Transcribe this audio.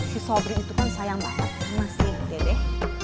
si sobri itu kan sayang banget sama si dedek